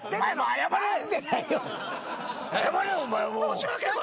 謝れお前も！